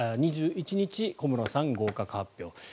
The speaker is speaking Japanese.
２１日、小室さん合格発表。